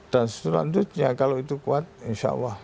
selanjutnya kalau itu kuat insya allah